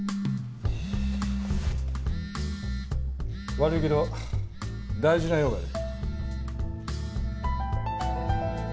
悪いけど大事な用がある。